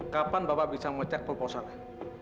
kapan bapak bisa mengecek proposalnya